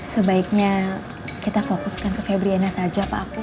sebaiknya kita fokuskan ke febriana saja pak aku